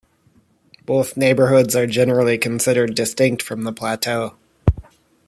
Both neighbourhoods are generally considered distinct from the Plateau.